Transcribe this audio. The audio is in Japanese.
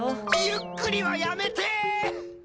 ゆっくりはやめてー！